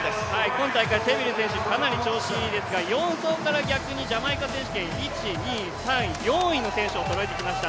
今大会セビル選手、かなり調子いいですから４走から逆にジャマイカ選手権、１、２、３、４位の選手そろえてきました